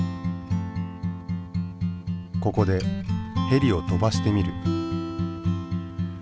ここでヘリを飛ばしてみる。